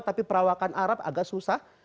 tapi perawakan arab agak susah